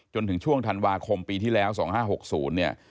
จนถึงช่วงธันวาคมปีที่แล้ว๒๕๖๐เนี่ย